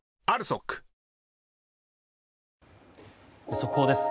速報です。